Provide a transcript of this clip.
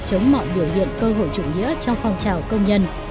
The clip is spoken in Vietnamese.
chống mọi biểu hiện cơ hội chủ nghĩa trong phong trào công nhân